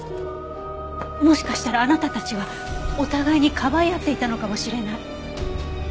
もしかしたらあなたたちはお互いに庇い合っていたのかもしれない。